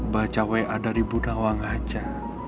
baca wa dari bu nawang aja